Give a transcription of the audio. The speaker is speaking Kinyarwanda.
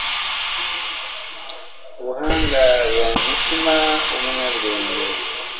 ubuhanga buba mu mutima w'umunyabwenge